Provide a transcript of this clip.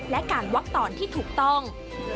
และการวักตอนที่ถูกต้อง